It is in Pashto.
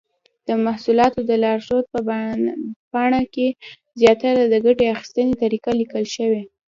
د محصولاتو د لارښود په پاڼه کې زیاتره د ګټې اخیستنې طریقه لیکل شوې.